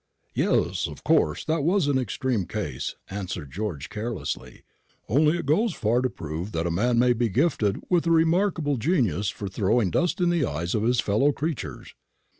"Yes; of course that was an extreme case," answered George, carelessly. "Only it goes far to prove that a man may be gifted with a remarkable genius for throwing dust in the eyes of his fellow creatures."